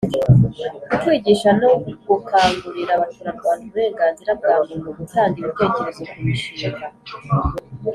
ku kwigisha no gukangurira abaturarwanda uburenganzira bwa Muntu gutanga ibitekerezo ku mishinga